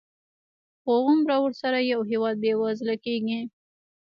هغومره ورسره یو هېواد بېوزله کېږي.